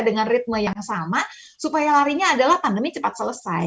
dengan ritme yang sama supaya larinya adalah pandemi cepat selesai